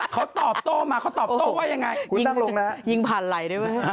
เขาตอบโต้มาเขาตอบโต้ว่ายังไงคุณนั่งลงแล้วยิงผ่านไหล่ได้ไหม